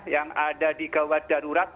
yang ada di gawat darurat